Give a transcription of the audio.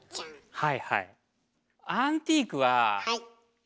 はいはい。